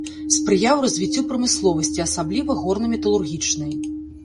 Спрыяў развіццю прамысловасці, асабліва горна-металургічнай.